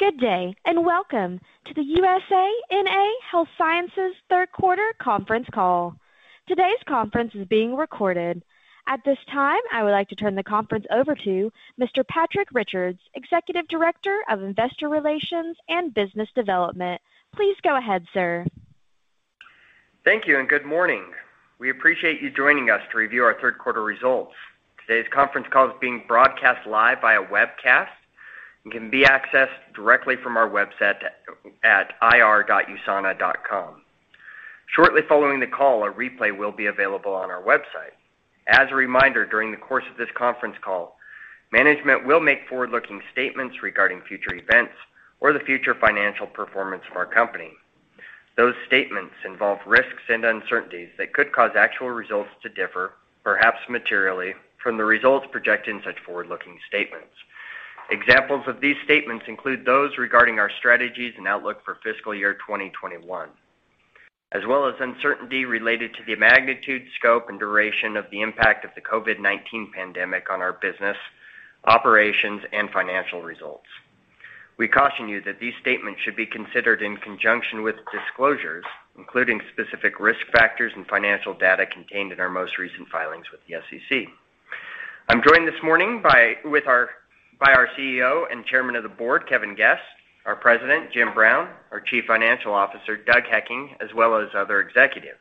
Good day, and welcome to the USANA Health Sciences third quarter conference call. Today's conference is being recorded. At this time, I would like to turn the conference over to Mr. Patrique Richards, Executive Director of Investor Relations and Business Development. Please go ahead, sir. Thank you and good morning. We appreciate you joining us to review our third quarter results. Today's conference call is being broadcast live via webcast and can be accessed directly from our website at ir.usana.com. Shortly following the call, a replay will be available on our website. As a reminder, during the course of this conference call, management will make forward-looking statements regarding future events or the future financial performance of our company. Those statements involve risks and uncertainties that could cause actual results to differ, perhaps materially, from the results projected in such forward-looking statements. Examples of these statements include those regarding our strategies and outlook for fiscal year 2021, as well as uncertainty related to the magnitude, scope, and duration of the impact of the COVID-19 pandemic on our business, operations and financial results. We caution you that these statements should be considered in conjunction with disclosures, including specific risk factors and financial data contained in our most recent filings with the SEC. I'm joined this morning by our CEO and Chairman of the Board, Kevin Guest, our President, Jim Brown, our Chief Financial Officer, Doug Hekking, as well as other executives.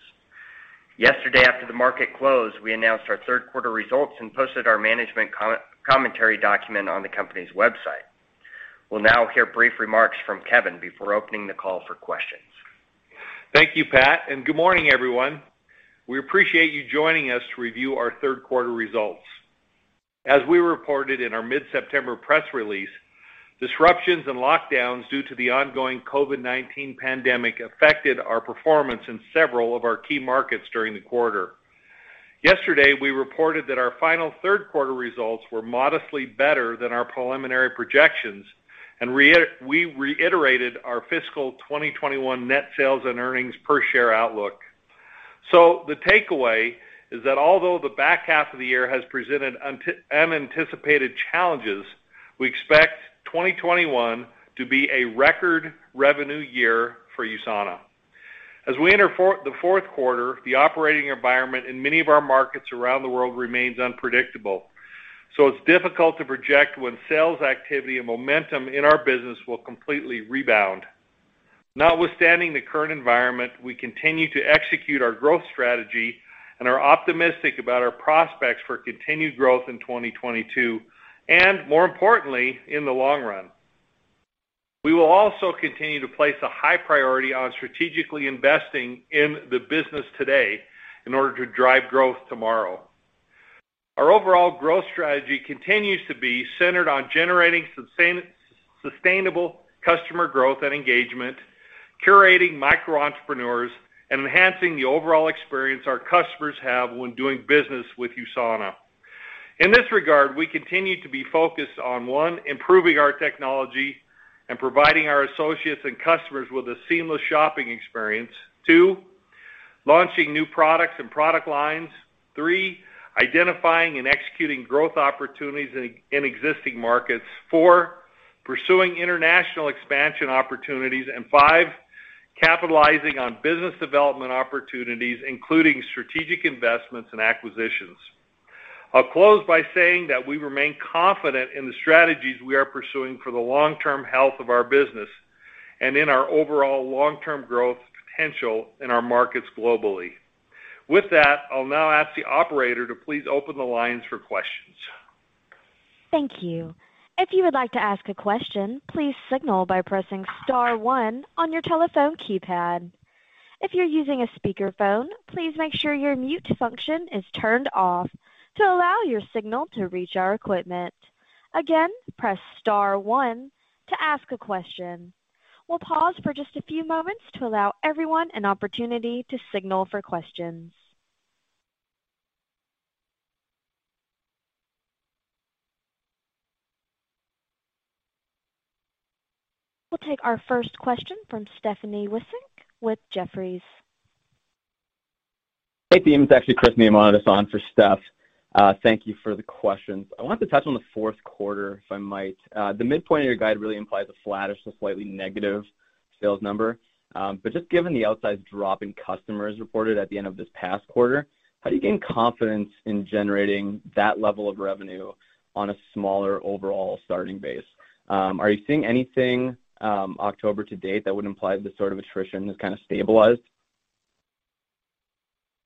Yesterday, after the market closed, we announced our third quarter results and posted our management commentary document on the company's website. We'll now hear brief remarks from Kevin before opening the call for questions. Thank you, Pat, and good morning, everyone. We appreciate you joining us to review our third quarter results. As we reported in our mid-September press release, disruptions and lockdowns due to the ongoing COVID-19 pandemic affected our performance in several of our key markets during the quarter. Yesterday, we reported that our final third quarter results were modestly better than our preliminary projections, and we reiterated our fiscal 2021 net sales and earnings per share outlook. The takeaway is that although the back half of the year has presented unanticipated challenges, we expect 2021 to be a record revenue year for USANA. As we enter the fourth quarter, the operating environment in many of our markets around the world remains unpredictable, so it's difficult to project when sales activity and momentum in our business will completely rebound. Notwithstanding the current environment, we continue to execute our growth strategy and are optimistic about our prospects for continued growth in 2022, and more importantly, in the long run. We will also continue to place a high priority on strategically investing in the business today in order to drive growth tomorrow. Our overall growth strategy continues to be centered on generating sustainable customer growth and engagement, curating micro-entrepreneurs, and enhancing the overall experience our customers have when doing business with USANA. In this regard, we continue to be focused on, one, improving our technology and providing our associates and customers with a seamless shopping experience. Two, launching new products and product lines. Three, identifying and executing growth opportunities in existing markets. Four, pursuing international expansion opportunities. Five, capitalizing on business development opportunities, including strategic investments and acquisitions. I'll close by saying that we remain confident in the strategies we are pursuing for the long-term health of our business and in our overall long-term growth potential in our markets globally. With that, I'll now ask the operator to please open the lines for questions. Thank you. If you would like to ask a question, please signal by pressing star one on your telephone keypad. If you're using a speakerphone, please make sure your mute function is turned off to allow your signal to reach our equipment. Again, press star one to ask a question. We'll pause for just a few moments to allow everyone an opportunity to signal for questions. We'll take our first question from Stephanie Wissink with Jefferies. Hey, team. It's actually Chris [Neamon] on for Steph. Thank you for the questions. I wanted to touch on the fourth quarter, if I might. The midpoint of your guide really implies a flat or slightly negative sales number. Just given the outsized drop in customers reported at the end of this past quarter, how do you gain confidence in generating that level of revenue on a smaller overall starting base? Are you seeing anything, October to date, that would imply this sort of attrition has kind of stabilized?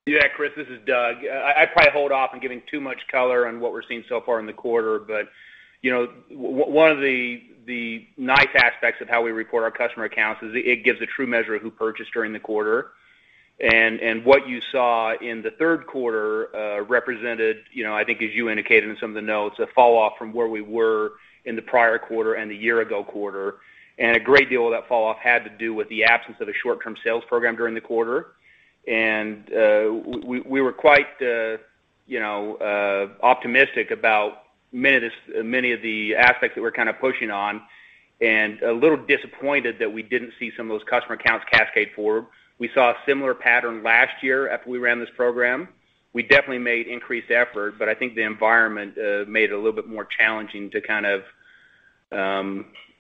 Yeah, Chris, this is Doug. I'd probably hold off on giving too much color on what we're seeing so far in the quarter. You know, one of the nice aspects of how we report our customer accounts is it gives a true measure of who purchased during the quarter. What you saw in the third quarter represented, you know, I think as you indicated in some of the notes, a fall off from where we were in the prior quarter and the year ago quarter. A great deal of that fall off had to do with the absence of a short-term sales program during the quarter. We were quite you know optimistic about many of the aspects that we're kind of pushing on, and a little disappointed that we didn't see some of those customer counts cascade forward. We saw a similar pattern last year after we ran this program. We definitely made increased effort, but I think the environment made it a little bit more challenging to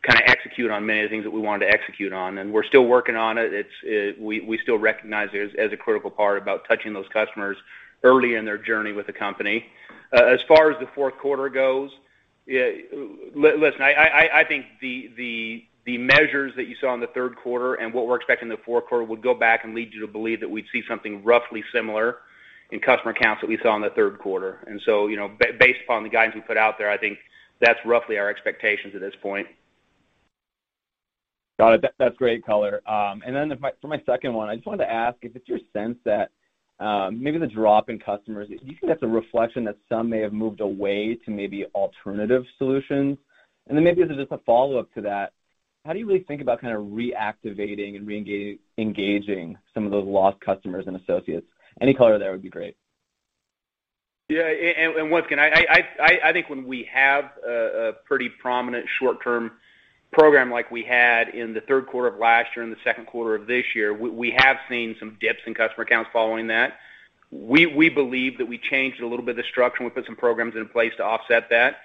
kind of execute on many of the things that we wanted to execute on, and we're still working on it. We still recognize it as a critical part about touching those customers early in their journey with the company. As far as the fourth quarter goes, listen, I think the measures that you saw in the third quarter and what we're expecting in the fourth quarter would go back and lead you to believe that we'd see something roughly similar in customer counts that we saw in the third quarter. You know, based upon the guidance we put out there, I think that's roughly our expectations at this point. Got it. That's great color. For my second one, I just wanted to ask if it's your sense that maybe the drop in customers, do you think that's a reflection that some may have moved away to maybe alternative solutions? Maybe as just a follow-up to that, how do you really think about kind of reactivating and reengaging some of those lost customers and associates? Any color there would be great. Yeah, once again, I think when we have a pretty prominent short-term program like we had in the third quarter of last year and the second quarter of this year, we have seen some dips in customer counts following that. We believe that we changed a little bit of the structure, and we put some programs in place to offset that.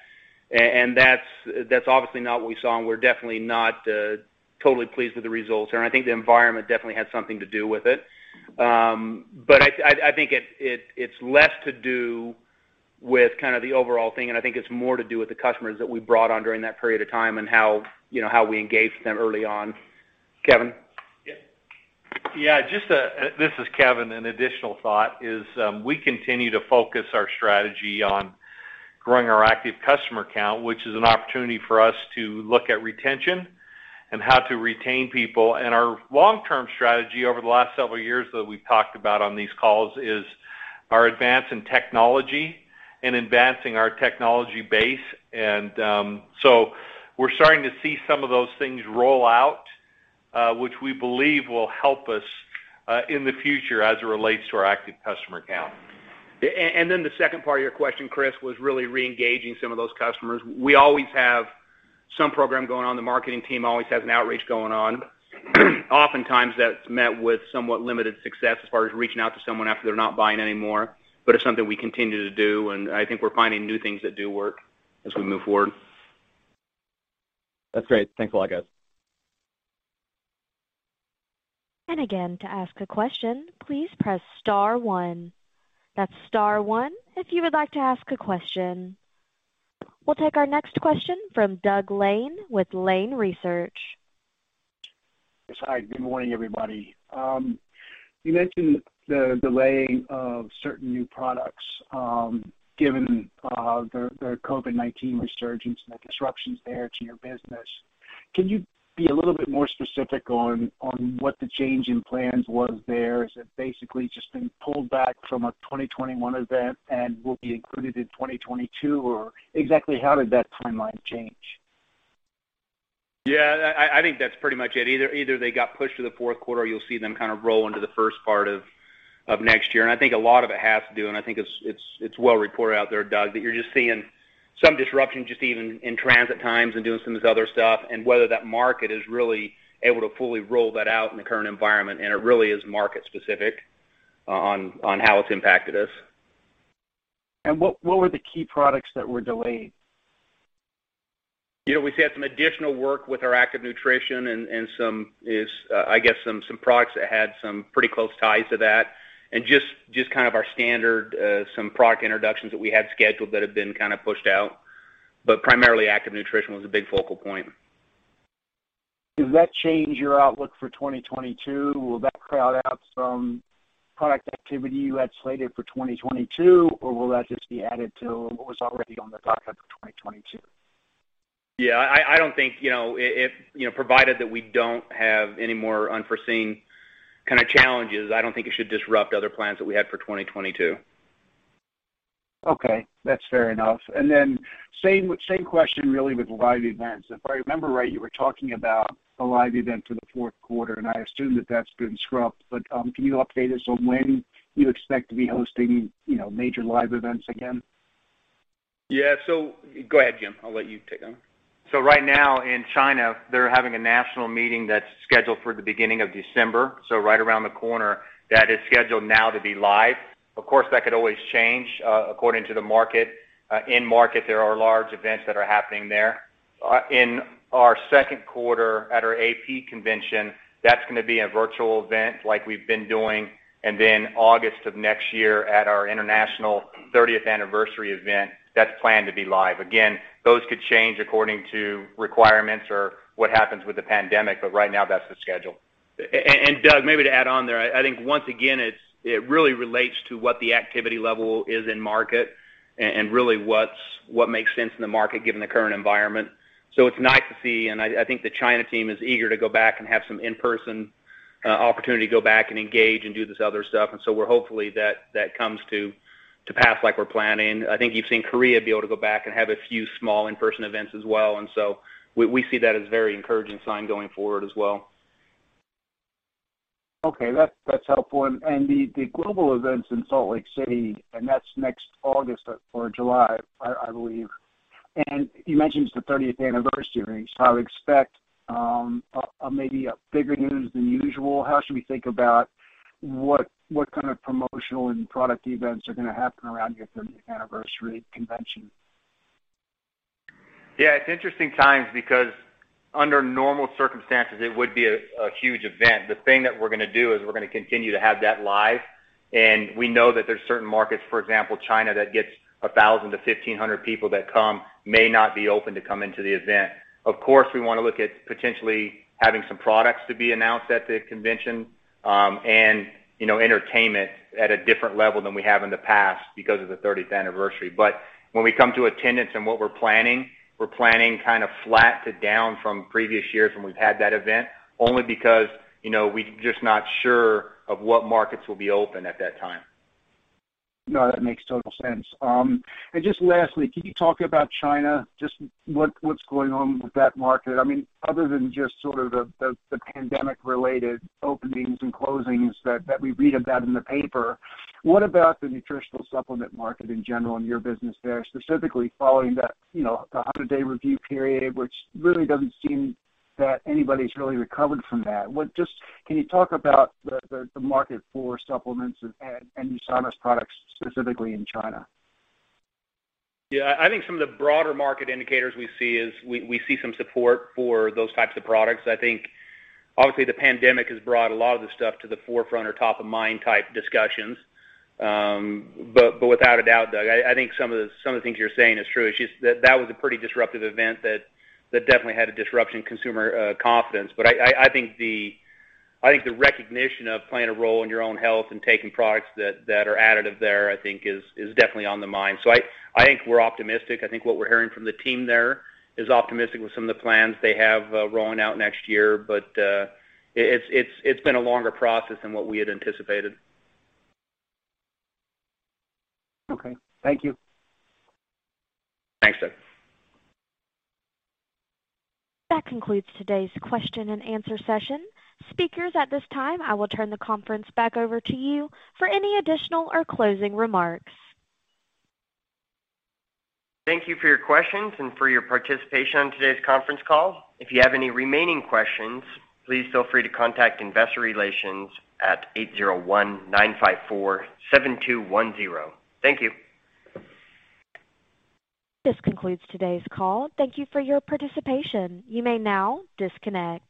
That's obviously not what we saw, and we're definitely not totally pleased with the results there. I think the environment definitely had something to do with it. I think it's less to do with kind of the overall thing, and I think it's more to do with the customers that we brought on during that period of time and how, you know, how we engaged them early on. Kevin? Yeah. Yeah, just, this is Kevin. An additional thought is, we continue to focus our strategy on growing our active customer count, which is an opportunity for us to look at retention and how to retain people. Our long-term strategy over the last several years that we've talked about on these calls is our advance in technology and advancing our technology base. So we're starting to see some of those things roll out, which we believe will help us, in the future as it relates to our active customer count. Then the second part of your question, Chris, was really reengaging some of those customers. We always have some program going on. The marketing team always has an outreach going on. Oftentimes, that's met with somewhat limited success as far as reaching out to someone after they're not buying anymore, but it's something we continue to do, and I think we're finding new things that do work as we move forward. That's great. Thanks a lot, guys. Again, to ask a question, please press star one. That's star one if you would like to ask a question. We'll take our next question from Doug Lane with Lane Research. Yes. Hi, good morning, everybody. You mentioned the delaying of certain new products, given the COVID-19 resurgence and the disruptions there to your business. Can you be a little bit more specific on what the change in plans was there? Is it basically just been pulled back from a 2021 event and will be included in 2022? Or exactly how did that timeline change? Yeah, I think that's pretty much it. Either they got pushed to the fourth quarter or you'll see them kind of roll into the first part of next year. I think a lot of it has to do, and I think it's well reported out there, Doug, that you're just seeing some disruption just even in transit times and doing some of this other stuff and whether that market is really able to fully roll that out in the current environment. It really is market specific on how it's impacted us. What were the key products that were delayed? You know, we've had some additional work with our Active Nutrition and some products that had some pretty close ties to that. Just kind of our standard some product introductions that we had scheduled that have been kind of pushed out. Primarily, Active Nutrition was a big focal point. Does that change your outlook for 2022? Will that crowd out some product activity you had slated for 2022, or will that just be added to what was already on the docket for 2022? Yeah, I don't think, you know, if, you know, provided that we don't have any more unforeseen kind of challenges, I don't think it should disrupt other plans that we had for 2022. Okay, that's fair enough. Same question really with live events. If I remember right, you were talking about a live event for the fourth quarter, and I assume that that's been scrubbed. Can you update us on when you expect to be hosting, you know, major live events again? Yeah. Go ahead, Jim, I'll let you take on. Right now in China, they're having a national meeting that's scheduled for the beginning of December, right around the corner that is scheduled now to be live. Of course, that could always change according to the market. In market, there are large events that are happening there. In our second quarter at our AP convention, that's gonna be a virtual event like we've been doing. August of next year at our international thirtieth anniversary event, that's planned to be live. Again, those could change according to requirements or what happens with the pandemic, but right now that's the schedule. Doug, maybe to add on there, I think once again, it really relates to what the activity level is in the market and really what makes sense in the market given the current environment. It's nice to see, and I think the China team is eager to go back and have some in-person opportunity to go back and engage and do this other stuff. We're hopeful that comes to pass like we're planning. I think you've seen Korea be able to go back and have a few small in-person events as well. We see that as a very encouraging sign going forward as well. Okay, that's helpful. The global events in Salt Lake City, and that's next August or July, I believe. You mentioned it's the 30th anniversary, so I would expect maybe a bigger news than usual. How should we think about what kind of promotional and product events are gonna happen around your 30th anniversary convention? Yeah, it's interesting times because under normal circumstances, it would be a huge event. The thing that we're gonna do is we're gonna continue to have that live, and we know that there's certain markets, for example, China, that gets 1,000-1,500 people that come may not be open to come into the event. Of course, we wanna look at potentially having some products to be announced at the convention, and, you know, entertainment at a different level than we have in the past because of the 30th anniversary. When we come to attendance and what we're planning, we're planning kind of flat to down from previous years when we've had that event, only because, you know, we're just not sure of what markets will be open at that time. No, that makes total sense. Just lastly, can you talk about China, just what's going on with that market? I mean, other than just sort of the pandemic-related openings and closings that we read about in the paper, what about the nutritional supplement market in general and your business there, specifically following that, you know, the 100-day review period, which really doesn't seem that anybody's really recovered from that. Just can you talk about the market for supplements and USANA's products specifically in China? Yeah. I think some of the broader market indicators we see is we see some support for those types of products. I think obviously the pandemic has brought a lot of the stuff to the forefront or top-of-mind type discussions. But without a doubt, Doug, I think some of the things you're saying is true. It's just that that was a pretty disruptive event that definitely had a disruption in consumer confidence. I think the recognition of playing a role in your own health and taking products that are additive there, I think is definitely on the mind. I think we're optimistic. I think what we're hearing from the team there is optimistic with some of the plans they have rolling out next year. It's been a longer process than what we had anticipated. Okay. Thank you. Thanks, Doug. That concludes today's question and answer session. Speakers, at this time, I will turn the conference back over to you for any additional or closing remarks. Thank you for your questions and for your participation in today's conference call. If you have any remaining questions, please feel free to contact investor relations at 801-954-7210. Thank you. This concludes today's call. Thank you for your participation. You may now disconnect.